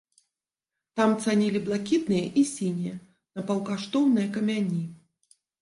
Там цанілі блакітныя і сінія напаўкаштоўныя камяні.